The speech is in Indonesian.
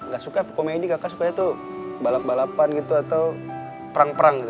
gak suka komedi kakak sukanya tuh balap balapan gitu atau perang perang gitu